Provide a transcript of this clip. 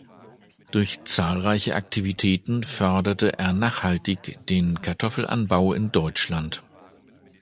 Durch zahlreiche Aktivitäten förderte er nachhaltig den Kartoffelanbau in Deutschland.